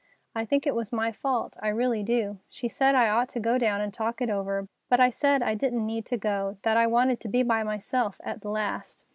I think it was my fault, I really do. She said I ought to go down and talk it over, but I said I didn't need to go, that I wanted to be by myself at the last.